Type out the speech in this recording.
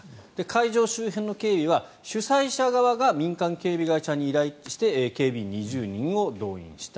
会場周辺の警備は主催者側が民間警備会社に依頼して警備員２０人を導入した。